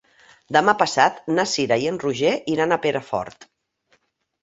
Demà passat na Cira i en Roger iran a Perafort.